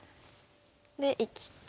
で生きて。